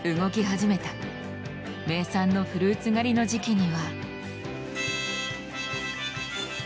名産のフルーツ狩りの時期には。